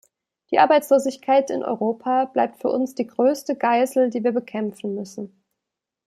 Die Arbeitslosigkeit in Europa bleibt für uns die größte Geißel, die wir bekämpfen müssen.